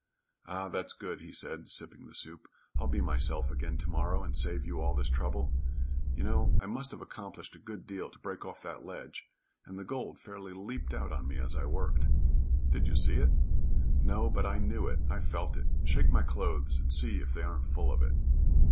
"Ah, that's good," he said, sipping the soup. "I'll be myself again to morrow, and save you all this trouble. You know I must have accomplished a good deal, to break off that ledge, and the gold fairly leaped out on me as I worked." "Did you see it?" "No, but I knew it I felt it. Shake my clothes and see if they aren't full of it."